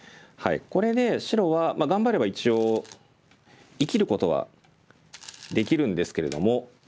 これで白は頑張れば一応生きることはできるんですけれども。